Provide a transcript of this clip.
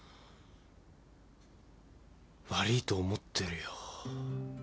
悪ぃと思ってるよ。